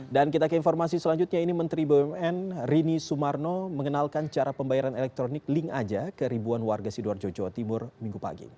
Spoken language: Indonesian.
dan kita ke informasi selanjutnya ini menteri bumn rini sumarno mengenalkan cara pembayaran elektronik link aja ke ribuan warga sidoarjo jawa timur minggu pagi